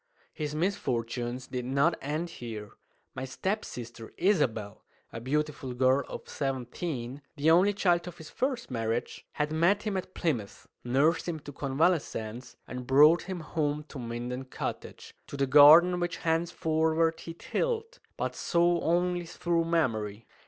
His misfortunes did not end here. My step sister Isabel a beautiful girl of seventeen, the only child of his first marriage had met him at Plymouth, nursed him to convalescence, and brought him home to Minden Cottage, to the garden which henceforward he tilled, but saw only through memory.